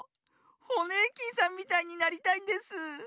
ホネーキンさんみたいになりたいんです。